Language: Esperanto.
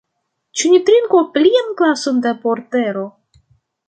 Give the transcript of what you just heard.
Ĉu ni trinku plian glason da portero?